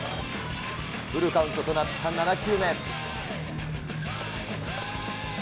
フルカウントとなった７球目。